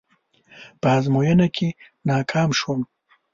په ازموينه کې ناکام شوم.